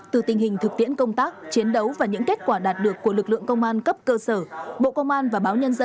từ tình hình thực tiễn công tác chiến đấu và những kết quả đạt được của lực lượng công an cấp cơ sở